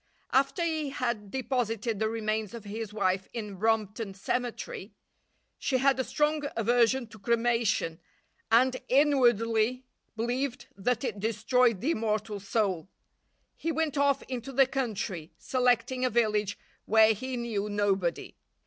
After he had deposited the remains of his wife in Brompton cemetery she had a strong aversion to cremation and inwardly believed that it destroyed the immortal soul he went off into the country, selecting a village where he knew nobody.